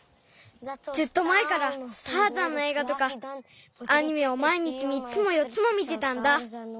ずっとまえからターザンのえいがとかアニメをまいにち３つも４つも見てたんだ。